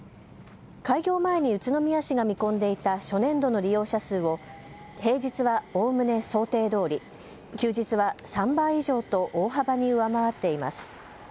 開業前に宇都宮市が見込んでいた初年度の利用者数を平日はおおむね想定どおり、休日は３倍以上と大幅に上回っています。